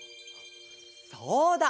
そうだ！